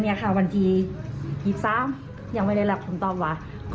เลคค่ะผิดหรือเปล่า